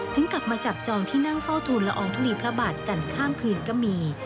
ถึงกลับมาจับจองที่นั่งเฝ้าทูลและองค์ทุรีพระบาทกันข้ามพื้นกะหมี